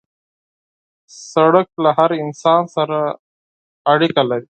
سړک له هر انسان سره اړیکه لري.